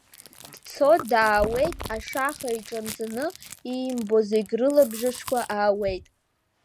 Дцоит, даауеит ашаха иҽанҵаны, иимбо зегь рылабжышқәа аауеит.